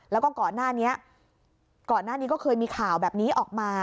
แล้วก็ก่อนหน้านี้ก็เคยมีข่าวแบบนี้ออกมา